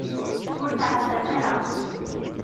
Ur ttɛassam ara.